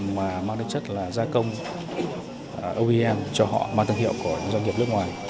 mà mang đến chất gia công oem cho họ mang thương hiệu của doanh nghiệp nước ngoài